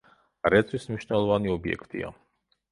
რეწვის მნიშვნელოვანი ობიექტია.